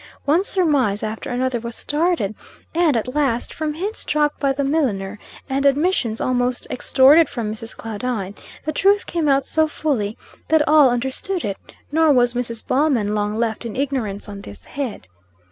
One surmise after another was started, and, at last, from hints dropped by the milliner, and admissions almost extorted from Mrs. Claudine, the truth came out so fully, that all understood it; nor was Mrs. Ballman long left in ignorance on this head.